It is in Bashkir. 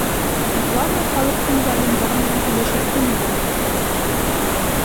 Оҙаҡламай халыҡтың залимдар менән һөйләшер көнө етер.